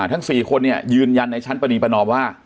ทั้ง๔คนยืนยันในชั้นปนีประนอมว่า